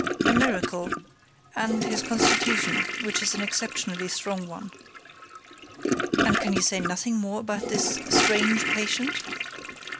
"A miracle—and his constitution, which is an exceptionally strong one." "And can you say nothing more about this strange patient?"